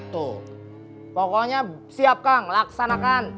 tuh pokoknya siap kang laksanakan